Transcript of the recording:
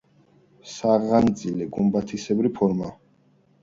საღანძილე გუმბათისებრი ფორმისაა.